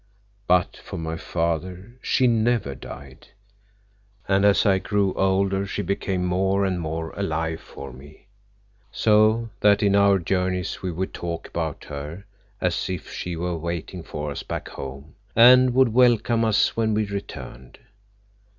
But for my father she never died, and as I grew older she became more and more alive for me, so that in our journeys we would talk about her as if she were waiting for us back home and would welcome us when we returned.